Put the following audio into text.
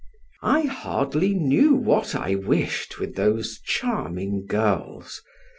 I hardly knew what I wished with those charming girls.